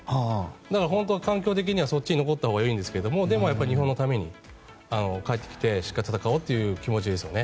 だから、本当は環境的にはそっちに残ったほうがいいんですけどでも、日本のために帰ってきてしっかり戦おうという気持ちですよね。